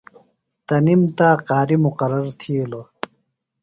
تنِم تا قاری مُقرر تِھیلوۡ۔